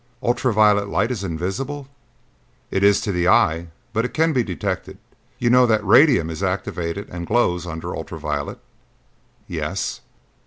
"Ultra violet light is invisible." "It is to the eye, but it can be detected. You know that radium is activated and glows under ultra violet?" "Yes."